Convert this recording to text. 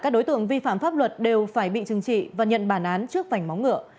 các đối tượng vi phạm pháp luật đều phải bị trừng trị và nhận bản án trước vảnh móng ngựa